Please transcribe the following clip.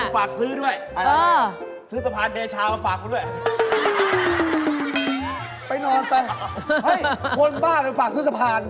ฝากซื้อด้วยซื้อสะพานเดชามาฝากคุณด้วยไปนอนไปเฮ้ยคนบ้านฝากซื้อสะพาน